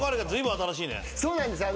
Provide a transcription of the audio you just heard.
そうなんです。